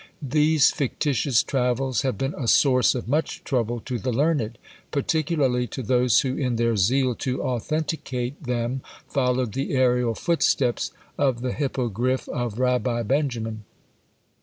These fictitious travels have been a source of much trouble to the learned; particularly to those who in their zeal to authenticate them followed the aërial footsteps of the Hyppogriffe of Rabbi Benjamin.